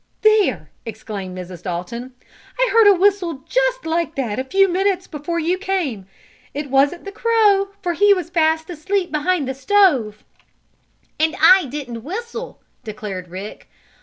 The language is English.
"There!" exclaimed Mrs. Dalton. "I heard a whistle just like that a few minutes before you came. It wasn't the crow, for he was asleep behind the stove." "And I didn't whistle!" declared Rick.